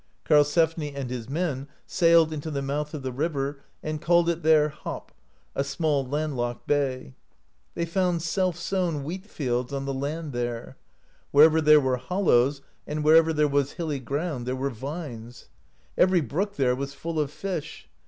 Karlsefni and his men sailed into the mouth of the river, and called it there Hop [a small land locked bay]. They found self sown wheat fields on the land there; wherever there were hollows, and wherever there was hilly ground, there were vines (50). Every brook there was full of fish.